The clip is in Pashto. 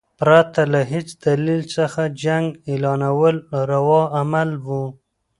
پرته له هیڅ دلیل څخه جنګ اعلانول روا عمل وو.